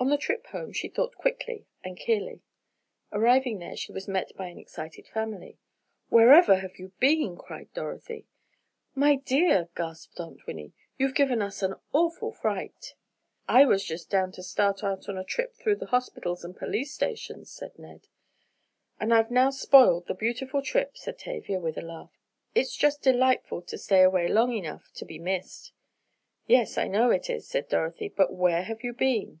On the trip home she thought quickly and clearly. Arriving there, she was met by an excited family. "Wherever have you been?" cried Dorothy. "My dear," gasped Aunt Winnie, "you've given us an awful fright!" "I was just down to start out on a trip through the hospitals and police stations," said Ned. "And I've now spoiled the beautiful trip," said Tavia, with a laugh. "It's just delightful to stay away long enough to be missed." "Yes, I know it is," said Dorothy. "But where have you been?"